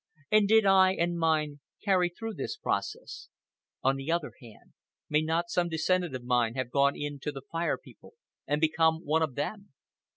And did I and mine carry through this process? On the other hand, may not some descendant of mine have gone in to the Fire People and become one of them?